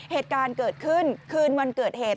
เหตุการณ์เกิดขึ้นคืนวันเกิดเหตุ